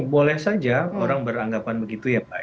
boleh saja orang beranggapan begitu ya pak